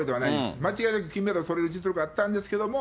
間違いなく金メダルとれる実力あったんですけれども、